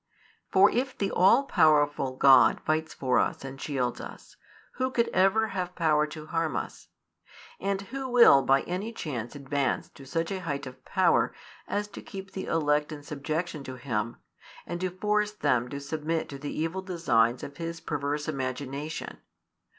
For if the all powerful God fights for us and shields us, who could ever have power to harm us? And who will by any chance advance to such a height of power as to keep the elect in subjection to him, and to force them to submit to the evil designs of his perverse imagination?